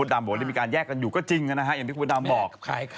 หมุดดำบอกได้มีการแยกกันอยู่ก็จริงอย่างที่หมุดดำบอก